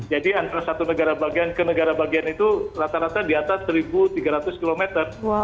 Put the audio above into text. jadi antara satu negara bagian ke negara bagian itu rata rata di atas satu tiga ratus kilometer